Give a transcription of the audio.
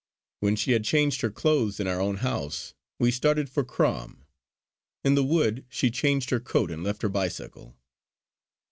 When she had changed her clothes in our own house, we started for Crom. In the wood she changed her coat and left her bicycle.